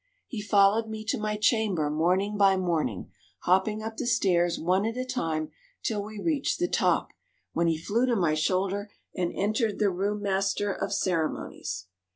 He followed me to my chamber morning by morning, hopping up the stairs one at a time till we reached the top, when he flew to my shoulder and entered the room master of ceremonies.